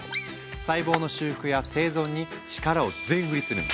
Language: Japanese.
細胞の修復や生存に力を全振りするの。